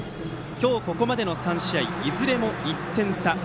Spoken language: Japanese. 今日ここまでの３試合いずれも１点差。